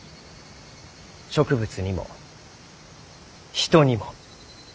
植物にも人にも。